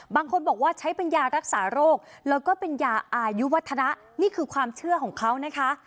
บางคนบอกว่าใช้เป็นยารักษาโรคแล้วก็เป็นยาอายุวัฒนะนี่คือความเชื่อของเขานะคะ